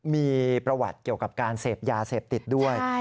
มีประวัติเกี่ยวกับการเสพยาเสพติดด้วย